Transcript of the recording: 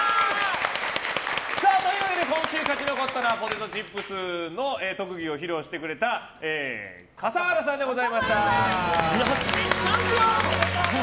今週勝ち残ったのはポテトチップスの特技を披露してくれた笠原さんでございました。